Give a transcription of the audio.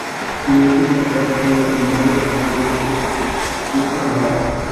বিভিন্ন শিক্ষকের পাঠের সমন্বয় কিংবা গবেষণার সমন্বয়ের সুযোগ যোগ করা হবে।